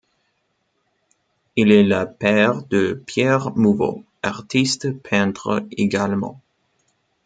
Il est le père de Pierre Mouveau, artiste peintre également.